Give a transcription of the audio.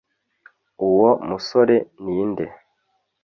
uwo musore ninde